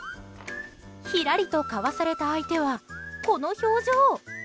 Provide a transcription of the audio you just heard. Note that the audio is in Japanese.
ひらりとかわされた相手はこの表情。